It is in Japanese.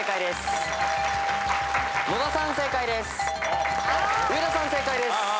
野田さん正解です。